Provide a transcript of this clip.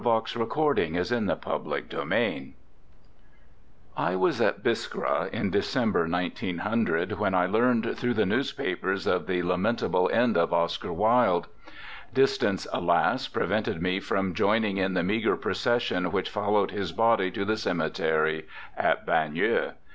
Septembre 14th, 1904. Oscar Wilde I was at Biskra in December, 1900, when I learned through the newspapers of the lamentable end of Oscar Wilde. Distance, alas! prevented me from joining in the meagre procession which followed his body to the cemetery at Bagneux.